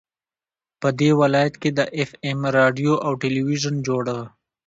په دې ولايت كې د اېف اېم راډيو او ټېلوېزون جوړ